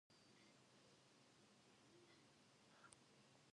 He did not take a degree but apprenticed to a London merchant.